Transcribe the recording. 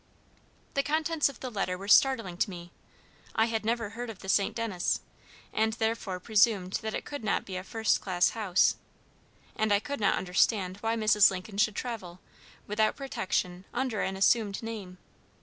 _ The contents of the letter were startling to me. I had never heard of the St. Denis, and therefore presumed that it could not be a first class house. And I could not understand why Mrs. Lincoln should travel, without protection, under an assumed name.